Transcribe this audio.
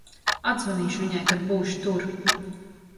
Atzvanīšu viņai, kad būšu tur.